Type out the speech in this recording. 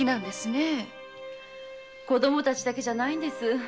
子供達だけじゃないんです。